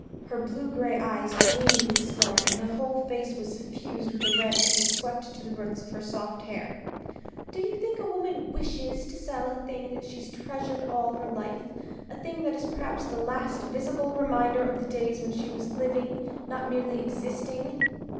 Her blue gray eyes gleamed with scorn, and her whole face was suffused with a red that had swept to the roots of her soft hair. "Do you think a woman wishes to sell a thing that she's treasured all her life, a thing that is perhaps the last visible reminder of the days when she was living not merely existing?"